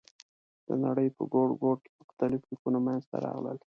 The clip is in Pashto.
د نړۍ په ګوټ ګوټ کې مختلف لیکونه منځ ته راغلل.